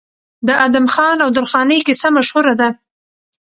د ادم خان او درخانۍ کیسه مشهوره ده.